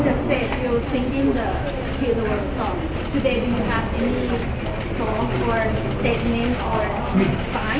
ประเทศเหล่านี้ก็ยืนก็เสนอมา